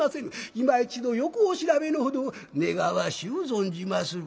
いま一度よくお調べのほどを願わしゅう存じまする」。